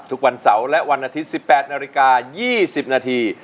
ทุกวันเสาร์และวันอาทิตย์๑๘นาฬิกา๒๐นาที